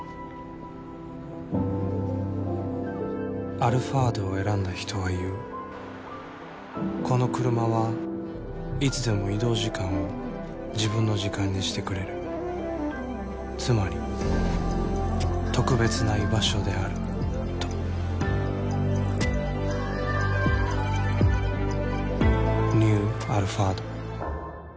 「アルファード」を選んだ人は言うこのクルマはいつでも移動時間を自分の時間にしてくれるつまり特別な居場所であるとニュー「アルファード」